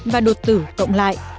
và đột tử cộng lại